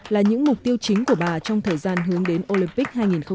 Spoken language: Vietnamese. là những mục tiêu chính của bà trong thời gian hướng đến olympic hai nghìn hai mươi